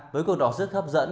với cuộc đọc rất hấp dẫn